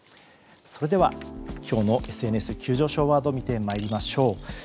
それでは今日のＳＮＳ急上昇ワード見てまいりましょう。